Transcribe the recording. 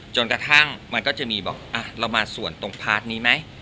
จนกระทั่งมันก็จะมีบอกเรามาส่วนตรงพาร์ทนี้ไหม